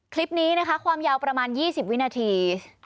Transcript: คลิปนี้นะคะความยาวประมาณ๒๐วินาที